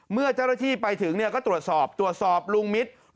เมื่อเจ้าหน้าที่ไปถึงก็ตรวจสอบตรวจสอบลุงมิตร